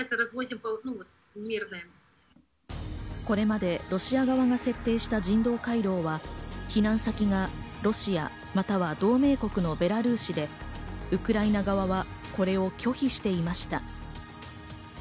これまでロシア側が設定した人道回廊は避難先がロシアまたは同盟国のベラルーシで、ウクライナ側はこれを拒否していました。